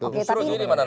oke tapi sebentar